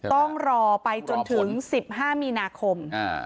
ต้องรอไปจนถึง๑๕มีนาคม